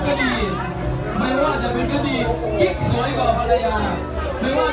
จะมีใครกับตัวเองได้พบกับตัวบริวัติศาสตร์